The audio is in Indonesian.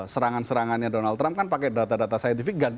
serangan serangannya donald trump kan pakai data data saintifik